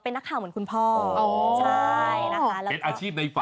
โอ้โฮโอ้โฮโอโฮโฮโฮโฮโฮโฮโฮโฮ